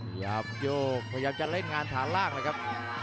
พยายามจะเล่นงานฐานล่างนะครับ